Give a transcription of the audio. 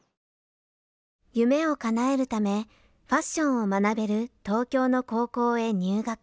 夢をかなえるためファッションを学べる東京の高校へ入学。